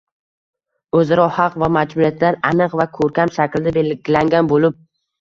o‘zaro haq va majburiyatlar aniq va ko‘rkam shaklda belgilangan bo‘lib